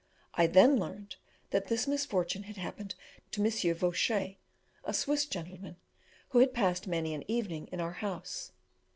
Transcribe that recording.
I then learned that this misfortune had happened to Monsieur Vauchee, a Swiss gentleman, who had passed many an evening in our house.